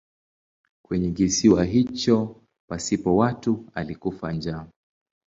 Kwenye kisiwa hicho pasipo watu alikufa njaa.